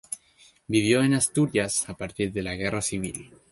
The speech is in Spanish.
Vivió en Asturias a partir de la Guerra Civil.